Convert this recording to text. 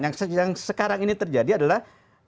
yang sekarang ini terjadi adalah